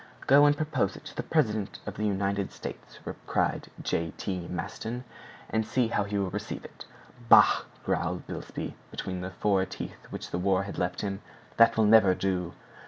"Go and propose it to the President of the United States," cried J. T. Maston, "and see how he will receive you." "Bah!" growled Bilsby between the four teeth which the war had left him; "that will never do!"